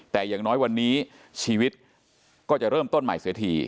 แต่อย่างน้อยวันนี้ชีวิตก็จะเริ่มต้นใหม่เสียที